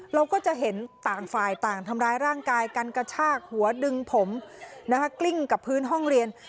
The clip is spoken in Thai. เราก็จะเห็นต่างฝ่ายต่างทำร้ายร่างกายกันกระชากหัวดึงผมนะคะกลิ้งกับพื้นห้องเรียน